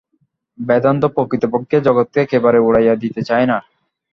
বেদান্ত প্রকৃতপক্ষে জগৎকে একেবারে উড়াইয়া দিতে চায় না।